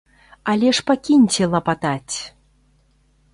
Але ж пакіньце лапатаць!